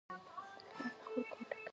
باطني ځواک انسان ته لار ښيي.